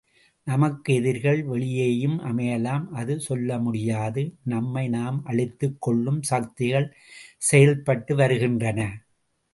நமக்கு எதிரிகள் வெளியேயும் அமையலாம் அது சொல்லமுடியாது நம்மை நாம் அழித்துக் கொள்ளும் சக்திகள் செயல்பட்டுவருகின்றன.